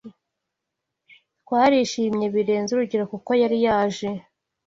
Twarishimye birenze urugero kuko yari aje